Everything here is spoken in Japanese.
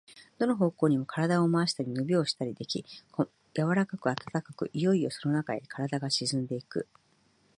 どの方向にも身体を廻したり、のびをしたりでき、柔かく暖かく、いよいよそのなかへ身体が沈んでいく。